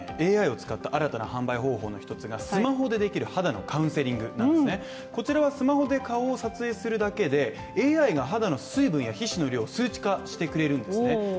ＡＩを使った新たな販売方法の一つがスマホでできる肌のカウンセリングですねこちらはスマホで顔を撮影するだけでＡＩが肌の水分や皮脂の量を数値化してくれるんですね